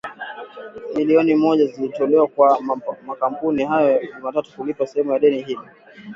milioni moja ) zilitolewa kwa makampuni hayo Jumatatu kulipa sehemu ya deni hilo